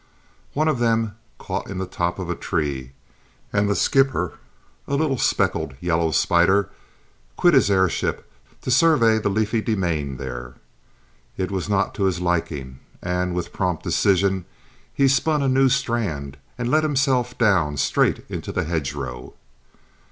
One of them caught in the top of a tree, and the skipper, a little speckled yellow spider, quit his airship to survey the leafy demesne there. It was not to his liking, and, with prompt decision, he spun a new strand and let himself down straight into the hedge below.